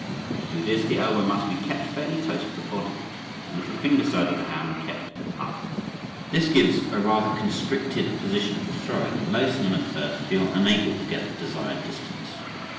To do this the elbow must be kept fairly close to the body and the little finger side of the hand kept up. This gives a rather constricted position for throwing and most men at first feel unable to get the desired distance.